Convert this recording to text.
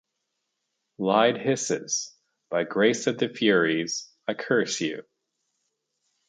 Lyde hisses, by grace of the Furies, I curse you!